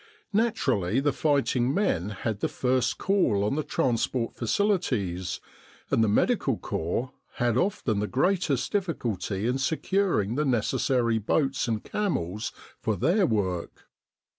Naturally the fighting men had the first call on the transport facilities, and the Medical Corps had often the greatest difficulty in securing the neces sary boats and camels for their work.